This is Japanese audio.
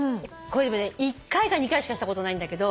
１回か２回しかしたことないんだけど。